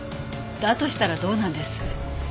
だとしたらどうなんです？